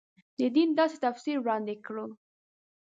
د دین داسې تفسیر وړاندې کړو.